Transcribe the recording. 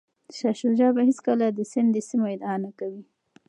شاه شجاع به هیڅکله د سند د سیمو ادعا نه کوي.